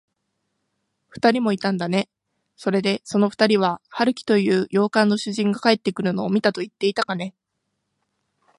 ふたりもいたんだね。それで、そのふたりは、春木という洋館の主人が帰ってくるのを見たといっていたかね。